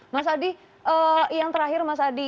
mas adi yang terakhir mas adi